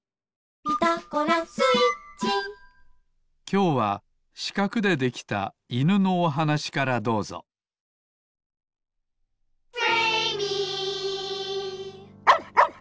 きょうはしかくでできたいぬのおはなしからどうぞワンワン！